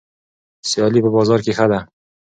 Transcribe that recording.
سیالي په بازار کې ښه ده.